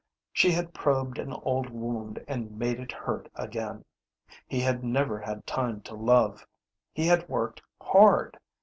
She had probed an old wound and made it hurt again. He had never had time to love. He had worked hard.